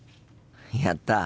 やった！